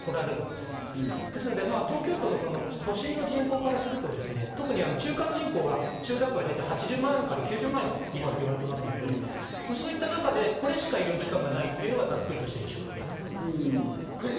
ですので東京都の都市の人口からすると中間人口が千代田区は大体８０万人から９０万人いるといわれていますので、そういった中で、これしか医療機関がないというのはざっくりとした印象です。